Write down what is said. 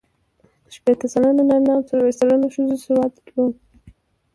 شپېته سلنه نارینه او څلوېښت سلنه ښځو سواد درلود.